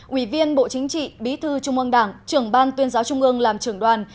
ủy viên bộ chính trị bí thư trung ương đảng trưởng ban tuyên giáo trung ương làm trưởng đoàn